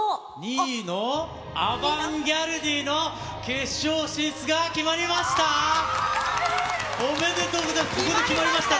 ２位のアバンギャルディの決勝進出が決まりました！